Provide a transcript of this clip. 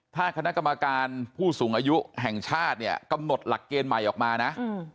ถ้าคณะกรรมการผู้สูงอายุแห่งชาติเนี่ยกำหนดหลักเกณฑ์ใหม่ออกมานะ